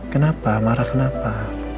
kenapa marah kenapa